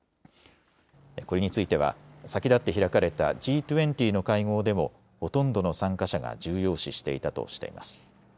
これについては先立って開かれたＧ２０の会合でもほとんどの参加者が重要視していたとしています。